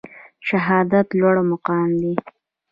شهادت لوړ مقام دی